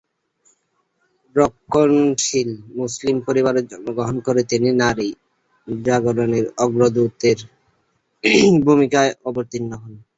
রক্ষণশীল মুসলিম পরিবারে জন্মগ্রহণ করে তিনি নারী জাগরণের অগ্রদূতের ভূমিকায় অবতীর্ণ হন।